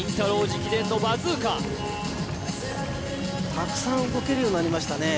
直伝のバズーカたくさん動けるようになりましたね